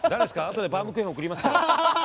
後でバウムクーヘン贈りますから。